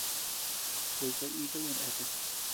Gua jikadi ika yuntu eatea.